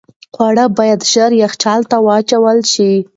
خواړه باید ژر یخچال ته واچول شي.